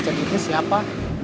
kalau kau kerja di mana siapa